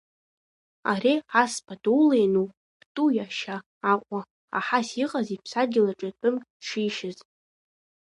Ари аспатула иануп Пту иашьа Аҟәа аҳас иҟаз иԥсадгьыл аҿы тәык дшишьыз.